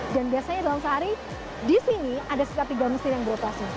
biasanya dalam sehari di sini ada sisa tiga mesin yang beroperasi